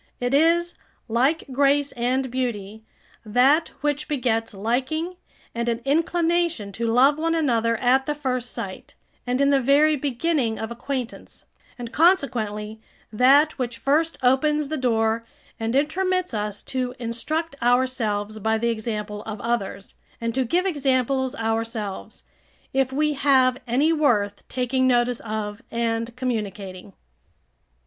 It is, like grace and beauty, that which begets liking and an inclination to love one another at the first sight, and in the very beginning of acquaintance; and, consequently, that which first opens the door and intromits us to instruct ourselves by the example of others, and to give examples ourselves, if we have any worth taking notice of and communicating.